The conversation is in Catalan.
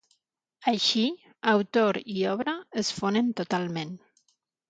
Així, autor i obra es fonen totalment.